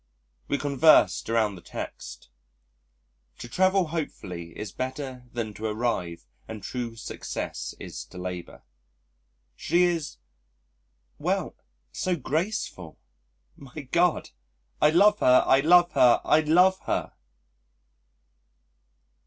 We conversed around the text: "To travel hopefully is better than to arrive and true success is to labour." She is well, so graceful. My God! I love her, I love her, I love her!!!